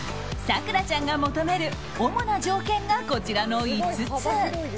咲楽ちゃんが求める主な条件が、こちらの５つ。